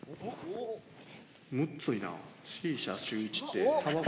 むっずいな。